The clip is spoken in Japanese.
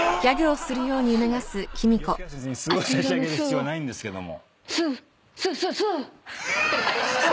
吉川先生にすーを差し上げる必要ないんですけども。